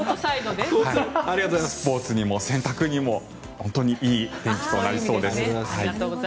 スポーツにも洗濯にも本当にいい天気となりそうです。